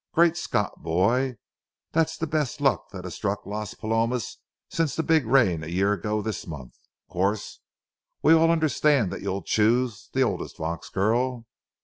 Great Scott, boy, that's the best luck that has struck Las Palomas since the big rain a year ago this month! Of course, we all understand that you're to choose the oldest Vaux girl.